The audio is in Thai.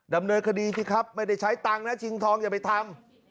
ดำเนินคดีสิครับไม่ได้ใช้ตังค์นะชิงทองอย่าไปทำ